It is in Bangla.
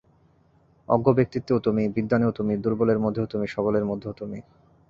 অজ্ঞ ব্যক্তিতেও তুমি, বিদ্বানেও তুমি, দুর্বলের মধ্যেও তুমি, সবলের মধ্যেও তুমি।